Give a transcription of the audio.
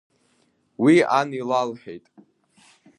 Уи ан илалҳәеит…